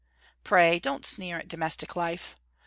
Pray don't sneer at domestic life.